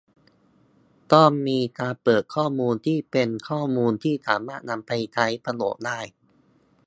ต้องมีการเปิดข้อมูลที่เป็นข้อมูลที่สามารถนำไปใช้ประโยชน์ได้